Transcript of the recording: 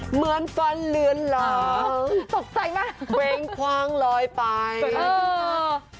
เหมือนฟันเหลือนหล่อตกใจมากเวงควางลอยไปเออ